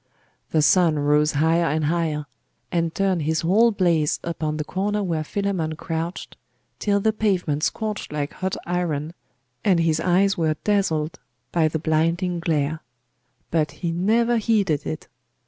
The sun rose higher and higher, and turned his whole blaze upon the corner where Philammon crouched, till the pavement scorched like hot iron, and his eyes were dazzled by the blinding glare: but he never heeded it.